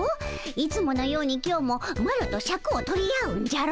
いつものように今日もマロとシャクを取り合うんじゃろ？